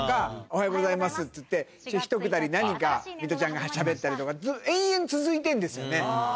「おはようございます」っつってひとくだり何かミトちゃんがしゃべったりとか延々続いてんですよね。